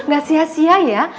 gak sia sia ya